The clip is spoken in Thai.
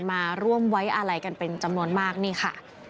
มาร่วมไว้อาลัยกันเป็นจำนวนมากนี่ค่ะ